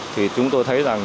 thì chúng tôi thấy rằng